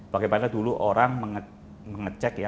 bagaimana dulu orang mengecek ya